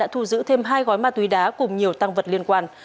thu giữ thêm hai gói ma túy đá cùng nhiều tăng vật liên quan